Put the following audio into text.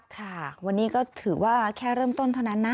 ค่ะวันนี้ก็ถือว่าแค่เริ่มต้นเท่านั้นนะ